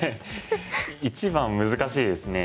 一番難しいですね。